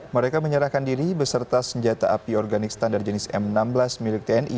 mereka menyerahkan diri beserta senjata api organik standar jenis m enam belas milik tni